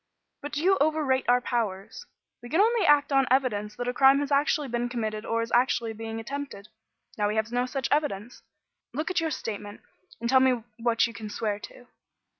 But you overrate our powers. We can only act on evidence that a crime has actually been committed or is actually being attempted. Now we have no such evidence. Look at your statement, and tell me what you can swear to."